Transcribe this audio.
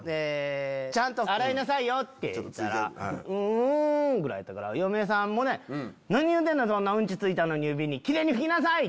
「ちゃんと洗いなさいよ」って言ったら「うん」ぐらいやったから嫁さんも「何言うてんの⁉うんち付いたのにキレイに拭きなさい！」